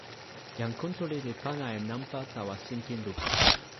jan Kuntuli li pana e nanpa tawa sinpin lupa.